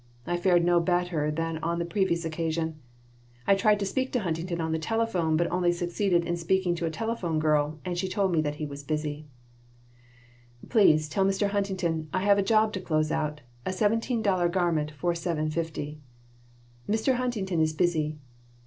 I fared no better than on the previous occasion. I tried to speak to Huntington on the telephone, but I only succeeded in speaking to a telephone girl and she told me that he was busy "Please tell Mr. Huntington I have a job to close out, a seventeen dollar garment for seven fifty." "Mr. Huntington is busy."